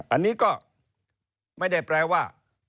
อันนี้ก็ไม่ได้แปลว่า